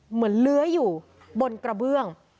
เหมือนเลื้อยอยู่บนกระเบื้อง